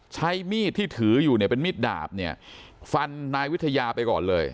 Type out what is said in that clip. ใช้มีดที่ถืออยู่เนี่ยเป็นมีดดาบเนี่ยฟันนายวิทยาไปก่อนเลย